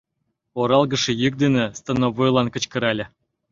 Оралгыше йӱк дене становойлан кычкырале: